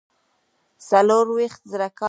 څلویښت زره کاله وړاندې انسانانو کورنی ژوند درلود.